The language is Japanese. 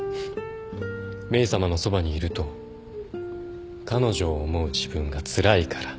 メイさまのそばにいると彼女を思う自分がつらいから。